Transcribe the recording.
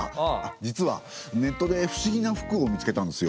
実はネットで不思議な服を見つけたんですよ。